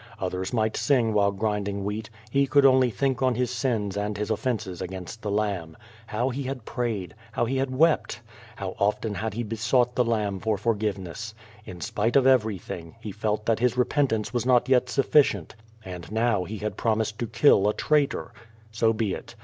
Others might sing while grinding wheat, he could only think on his sins and his of fences against the Lamb. How he had prayed! How he had wept! How often had he besought the Lamb for forgive ness! In spite of everything, he felt that his repentance was not yet sufficient. And now he had promised to kill a traitor! So be it.